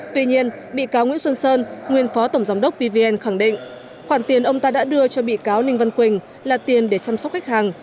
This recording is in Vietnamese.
tuy nhiên bị cáo nguyễn xuân sơn nguyên phó tổng giám đốc pvn khẳng định khoản tiền ông ta đã đưa cho bị cáo ninh văn quỳnh là tiền để chăm sóc khách hàng